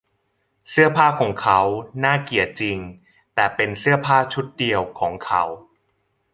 เสื้อผ้าของเขาน่าเกลียดจริง แต่เป็นเสื้อผ้าชุดเดียวของเขา